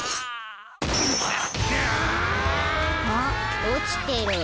あっおちてる。